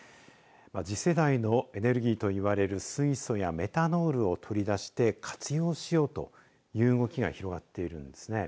次世代のエネルギーといわれる水素やメタノールを取り出して活用しようという動きが広がっているんですね。